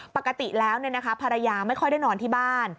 ปกติแล้วภรรยาไม่ค่อยได้นอนที่บ้าน